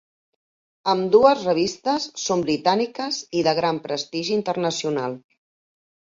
Ambdues revistes són britàniques i de gran prestigi internacional.